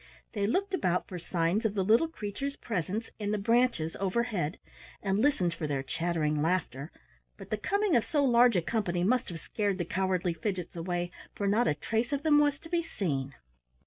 They looked about for signs of the little creatures' presence in the branches overhead, and listened for their chattering laughter, but the coming of so large a company must have scared the cowardly Fidgets away, for not a trace of them was to be seen.